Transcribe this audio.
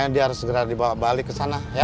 dia harus segera dibawa balik ke sana